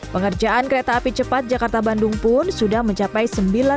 pekerjaan kereta api cepat jakarta bandung pun sudah mencapai sembilan puluh dua